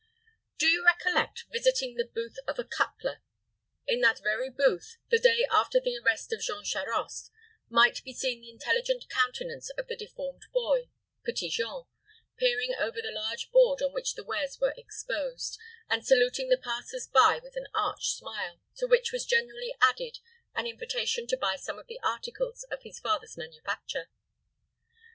Do you recollect visiting the booth of a cutler? In that very booth, the day after the arrest of Jean Charost, might be seen the intelligent countenance of the deformed boy, Petit Jean, peering over the large board on which the wares were exposed, and saluting the passers by with an arch smile, to which was generally added an invitation to buy some of the articles of his father's manufacture.